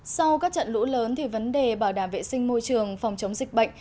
sau các trận lũ lớn thì vấn đề bảo đảm vệ sinh môi trường phòng chống dịch bệnh